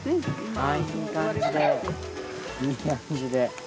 あぁいい感じで。